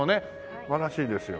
素晴らしいですよ。